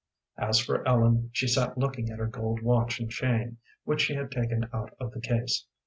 As for Ellen, she sat looking at her gold watch and chain, which she had taken out of the case.